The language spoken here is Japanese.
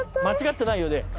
間違ってないよね。